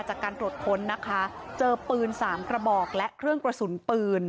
จากการตรวจค้นนะคะเจอปืน๓กระบอกและเครื่องกระสุนปืน